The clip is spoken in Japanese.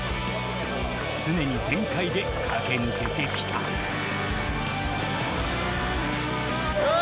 常に全開で駆け抜けてきたおぉ！